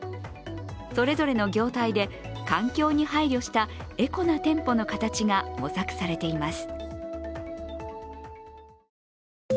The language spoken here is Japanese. それぞれの業態で環境に配慮したエコな店舗の形が模索されています。